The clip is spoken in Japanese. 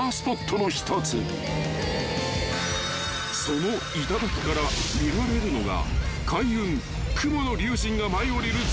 ［その頂から見られるのが］